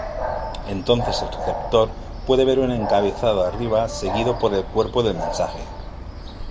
Entonces el receptor puede ver un encabezado arriba seguido por el cuerpo del mensaje.